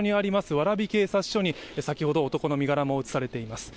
蕨警察署に蕨警察署に先ほど男の身柄も移されています。